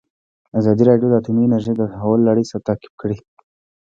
ازادي راډیو د اټومي انرژي د تحول لړۍ تعقیب کړې.